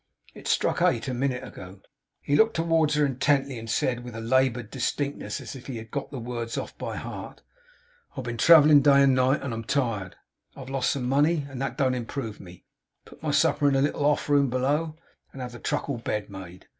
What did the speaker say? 'It struck eight a minute ago.' He looked towards her intently; and said, with a laboured distinctness, as if he had got the words off by heart: 'I have been travelling day and night, and am tired. I have lost some money, and that don't improve me. Put my supper in the little off room below, and have the truckle bed made.